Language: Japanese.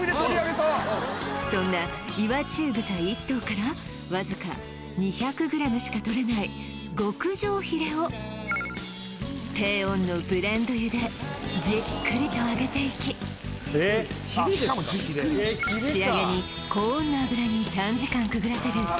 そんな岩中豚１頭からわずか２００ｇしかとれない極上ヒレを低温のブレンド油でじっくりと揚げていき仕上げに高温の油に短時間くぐらせる